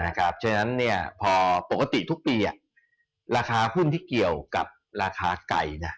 อ่านะครับฉะนั้นเนี้ยพอปกติทุกปีอ่ะราคาหุ้นที่เกี่ยวกับราคาไก่น่ะ